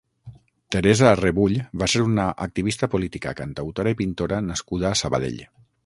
Teresa Rebull va ser una activista política, cantautora i pintora nascuda a Sabadell.